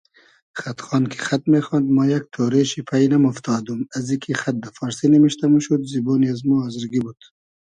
خئد خان کی خئد میخاند ما یئگ تۉرې شی پݷ نئمۉفتادوم ازی کی خئد دۂ فارسی نیمشتۂ موشود زیبۉن از مۉ آزرگی بود